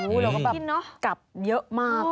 โอ้โฮเราก็แบบกลับเยอะมากเลย